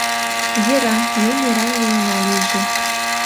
— Йӧра, ме мераҥ улына лийже.